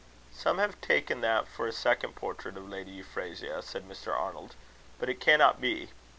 "Some have taken that for a second portrait of Lady Euphrasia," said Mr. Arnold, "but it cannot be.